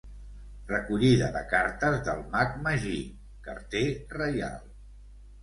Recollida de cartes del Mag Magí, carter reial.